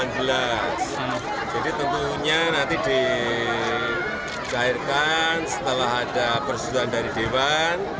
jadi tentunya nanti dicairkan setelah ada persetujuan dari dewan